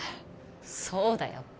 そうだよ